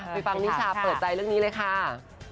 ไปฟังนิชาเปิดใจเรื่องนี้เลยค่ะ